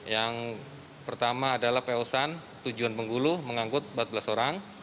yang pertama adalah po san tujuan penggulu mengangkut empat belas orang